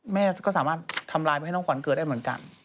แม่ก็สามารถทำลายไปให้น้องขวัญเกิดได้เหมือนกัน